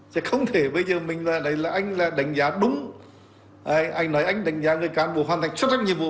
chẳng thể bây giờ anh đánh giá đúng anh nói anh đánh giá người cán bộ hoàn thành xuất sắc nhiệm vụ